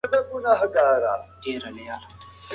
هغې په منځنیو پیړیو کې د ایران د ودانیو د څیړنې لپاره هلته وه.